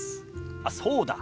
あっそうだ。